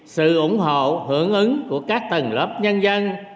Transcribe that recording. sự ủng hộ hưởng ứng của các tầng lớp nhân dân